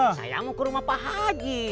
saya mau ke rumah pak haji